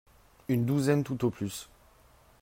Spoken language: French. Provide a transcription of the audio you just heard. Une douzaine tout au plus